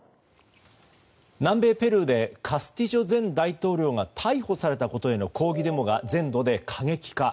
南米ペルーでカスティジョ前大統領が逮捕されたことへの抗議デモが全土で過激化。